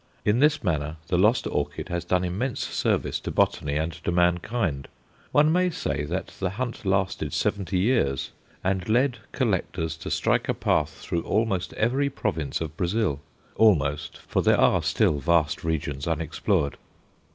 In this manner the lost orchid has done immense service to botany and to mankind. One may say that the hunt lasted seventy years, and led collectors to strike a path through almost every province of Brazil almost, for there are still vast regions unexplored.